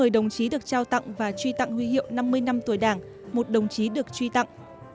một mươi đồng chí được trao tặng và truy tặng huy hiệu năm mươi năm tuổi đảng một đồng chí được truy tặng